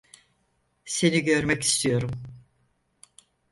Seni görmek istiyorum.